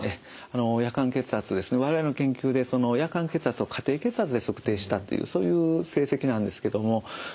夜間血圧ですね我々の研究でその夜間血圧を家庭血圧で測定したというそういう成績なんですけども。